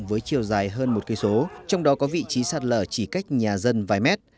với chiều dài hơn một km trong đó có vị trí sạt lở chỉ cách nhà dân vài mét